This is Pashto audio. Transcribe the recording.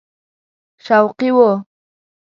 شوقي وو.